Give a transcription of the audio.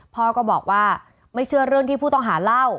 พ่อก็บอกว่าไม่เชื่อเรื่องที่ผู้ต้องหาเล่า